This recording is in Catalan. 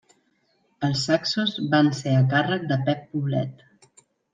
Els saxos van ser a càrrec de Pep Poblet.